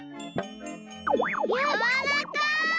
やわらかい。